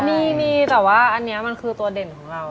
มีมีแต่ว่าอันนี้มันคือตัวเด่นของเรา